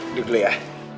duduk dulu ya